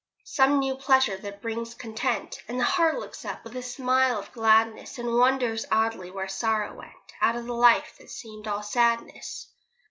Some new pleasure that brings content; And the heart looks up with a smile of gladness, And wonders idly when sorrow went Out of the life that seemed all sadness.